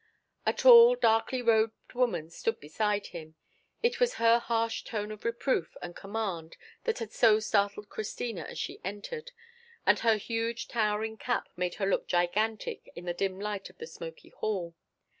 A tall darkly robed woman stood beside him—it was her harsh tone of reproof and command that had so startled Christina as she entered—and her huge towering cap made her look gigantic in the dim light of the smoky hall.